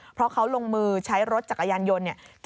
เพราะเขาลงมือใช้รถจักรยานยนต์เนี่ย